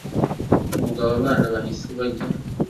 Ubwo abana bahise bajya